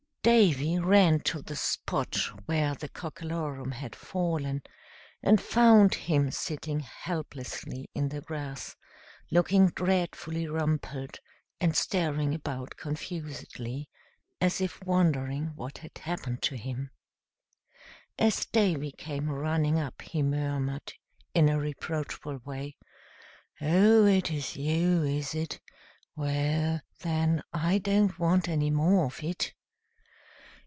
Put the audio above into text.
Davy ran to the spot where the Cockalorum had fallen, and found him sitting helplessly in the grass, looking dreadfully rumpled, and staring about confusedly, as if wondering what had happened to him. As Davy came running up he murmured, in a reproachful way, "Oh! it's you, is it? Well, then, I don't want any more of it."